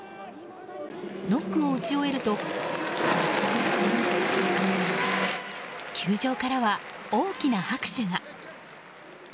ノックを打ち終えると球場からは、大きな拍手が。